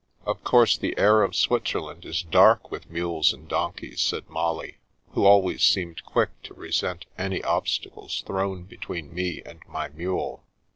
" Of course, the air of Switzerland is dark with mules and donkeys," said Molly, who always seemed quick to resent any obstacles thrown between me and my mule.